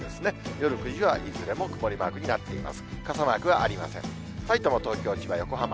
夜９時はいずれも曇りマークになっています。